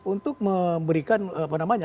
untuk memberikan apa namanya